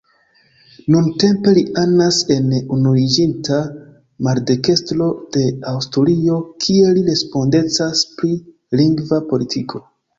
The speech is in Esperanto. Nuntempe li anas en Unuiĝinta Maldekstro de Asturio kie li respondecas pri lingva politiko.